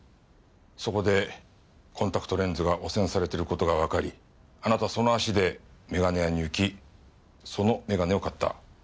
そこでコンタクトレンズが汚染されてることがわかりあなたその足で眼鏡屋に行きその眼鏡を買った。